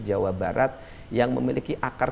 jawa barat yang memiliki akar